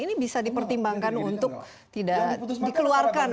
ini bisa dipertimbangkan untuk dikeluarkan dari hukuman mati